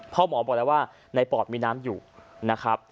หมอบอกแล้วว่าในปอดมีน้ำอยู่นะครับ